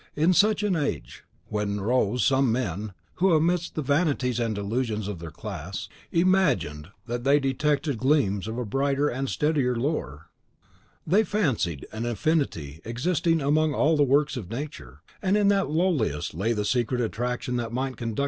In such an age, then, arose some men, who, amidst the vanities and delusions of their class, imagined that they detected gleams of a brighter and steadier lore. They fancied an affinity existing among all the works of Nature, and that in the lowliest lay the secret attraction that might conduct them upward to the loftiest.